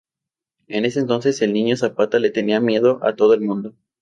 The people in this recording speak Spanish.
En ese entonces el niño Zapata le tenía miedo a todo el mundo.